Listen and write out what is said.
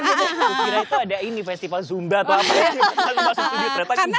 kira kira itu ada ini festival zumba atau apa langsung masuk studio ternyata juga